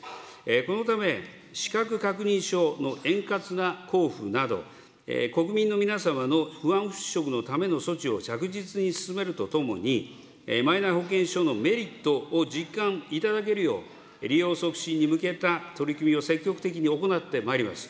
このため、資格確認書の円滑な交付など、国民の皆様の不安払拭のための措置を着実に進めるとともに、マイナ保険証のメリットを実感いただけるよう、利用促進に向けた取り組みを積極的に行ってまいります。